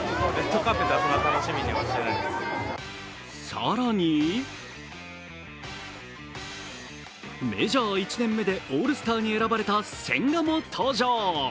更に、メジャー１年目でオールスターに選ばれた千賀も登場。